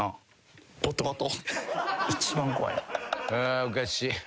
あおかしい。